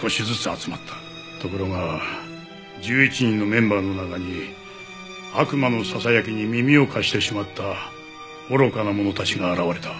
ところが１１人のメンバーの中に悪魔のささやきに耳を貸してしまった愚かな者たちが現れた。